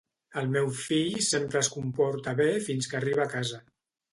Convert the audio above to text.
El meu fill sempre es comporta bé fins que arriba a casa.